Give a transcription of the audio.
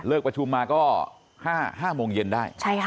เลิกประชุมมาก็ห้าโมงเย็นได้